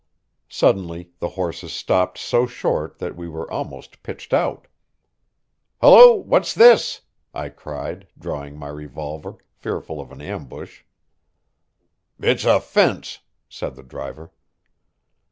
Suddenly the horses stopped so short that we were almost pitched out. "Hello! what's this?" I cried, drawing my revolver, fearful of an ambush. "It's a fence," said the driver.